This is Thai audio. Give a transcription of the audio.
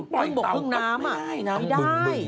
พึ่งบกพึ่งน้ำอะไม่ได้